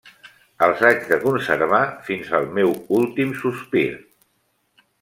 Els haig de conservar fins al meu últim sospir.